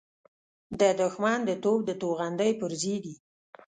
د دښمن د توپ د توغندۍ پرزې دي.